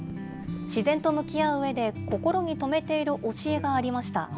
自然と向き合ううえで、心にとめている教えがありました。